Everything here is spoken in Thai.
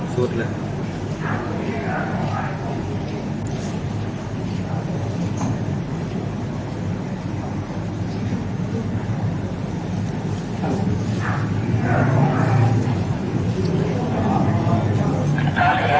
สุดเลย